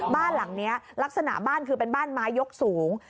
บ้านหลังนี้ลักษณะบ้านคือเป็นบ้านไม้ยกสูง